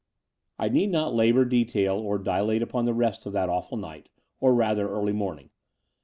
I need not labour detail or dilate upon the rest of that awful night, or rather early morning.